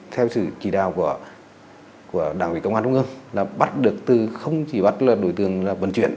theo sự kỳ đạo của đảng vị công an trung ương là bắt được từ không chỉ bắt đối tượng bần chuyển